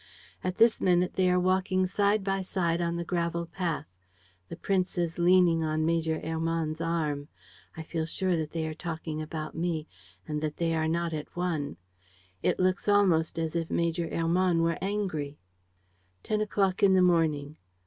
"At this minute they are walking side by side on the gravel path. The prince is leaning on Major Hermann's arm. I feel sure that they are talking about me and that they are not at one. It looks almost as if Major Hermann were angry. "_Ten o'clock in the morning.